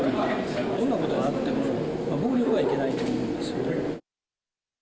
どんなことがあっても、暴力はいけないと思うんですよね。